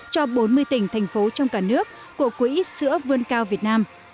cho bốn mươi tỉnh thành phố trong cả nước của quỹ sữa vươn cao việt nam